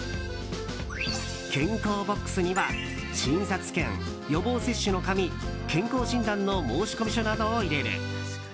健康ボックスには診察券、予防接種の紙健康診断の申込書などを入れる。